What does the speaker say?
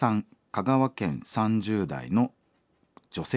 香川県３０代の女性の方。